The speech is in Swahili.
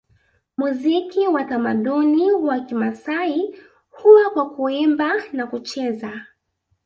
Muziki wa tamaduni wa Kimasai huwa kwa Kuimba na kucheza